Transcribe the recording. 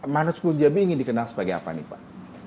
manuskul njabi ingin dikenal sebagai apa nih pak